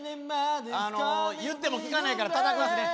言っても聞かないからたたきますね。